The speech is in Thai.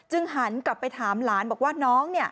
หันกลับไปถามหลานบอกว่าน้อง